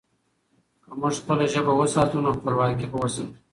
که موږ خپله ژبه وساتو، نو خپلواکي به وساتو.